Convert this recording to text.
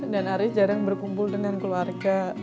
dan aris jarang berkumpul dengan keluarga